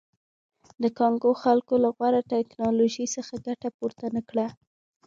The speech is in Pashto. د کانګو خلکو له غوره ټکنالوژۍ څخه ګټه پورته نه کړه.